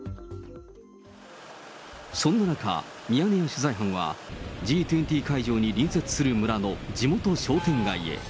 そんな中、ミヤネ屋取材班はＧ２０会場に隣接する村の地元商店街へ。